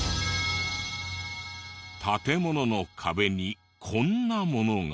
建物の壁にこんなものが。